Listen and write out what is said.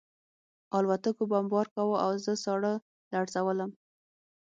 الوتکو بمبار کاوه او زه ساړه لړزولم